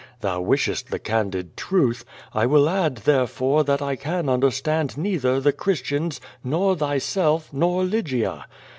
Thou wishest the candid truth. I will add, therefore, that I can understand neither the Chris tians, nor thyself, nor Lygia.